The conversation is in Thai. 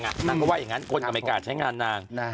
นางก็ว่าอย่างนั้นคนก็ไม่กล้าใช้งานนาง